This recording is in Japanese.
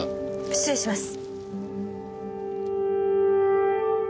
失礼します。